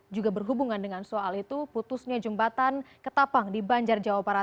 juga berhubungan dengan soal itu putusnya jembatan ketapang di banjar jawa barat